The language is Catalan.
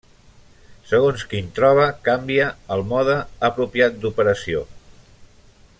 Segons quin troba, canvia el mode apropiat d'operació.